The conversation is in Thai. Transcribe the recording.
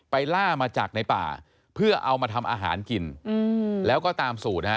ล่ามาจากในป่าเพื่อเอามาทำอาหารกินแล้วก็ตามสูตรฮะ